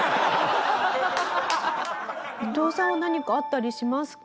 伊藤さんは何かあったりしますか？